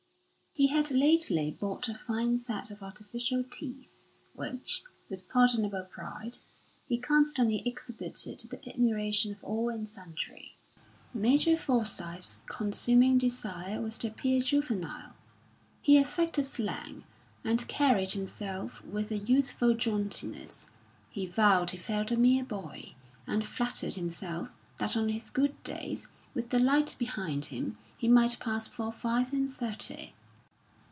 He had lately bought a fine set of artificial teeth, which, with pardonable pride, he constantly exhibited to the admiration of all and sundry. Major Forsyth's consuming desire was to appear juvenile; he affected slang, and carried himself with a youthful jauntiness. He vowed he felt a mere boy, and flattered himself that on his good days, with the light behind him, he might pass for five and thirty.